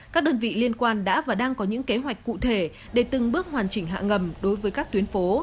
các đơn vị liên quan đã và đang có những kế hoạch cụ thể để từng bước hoàn chỉnh hạ ngầm đối với các tuyến phố